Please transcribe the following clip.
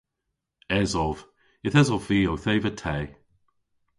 Esov. Yth esov vy owth eva te.